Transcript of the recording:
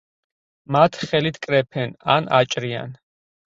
მათ ხელით კრეფენ ან აჭრიან.